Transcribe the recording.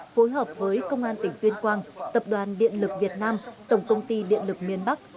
phối hợp với công an tỉnh tuyên quang tập đoàn điện lực việt nam tổng công ty điện lực miền bắc